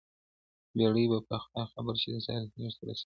بېړۍ به خدای خبر چي د ساحل غېږ ته رسېږي